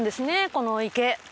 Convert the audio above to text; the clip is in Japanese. この池。